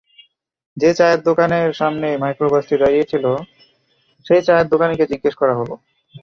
যে-চায়ের দোকানোর সামনে মাইক্রোবাসটি দাঁড়িয়ে ছিল, সেই চায়ের দোকানিকে জিজ্ঞেস করা হল।